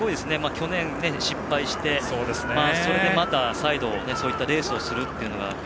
去年、失敗してそれでまた、再度そういったレースをするというのが。